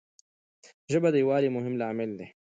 ژبه د یووالي مهم لامل دی.